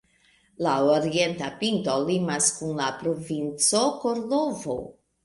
La orienta pinto limas kun la Provinco Kordovo.